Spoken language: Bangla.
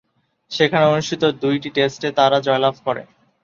সেখানে অনুষ্ঠিত দুইটি টেস্টেই তারা জয়লাভ করে।